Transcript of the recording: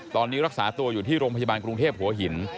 ตอนนี้รักษาตัวอยู่ที่โรงพยาบาลกรุงเทพหัวหิน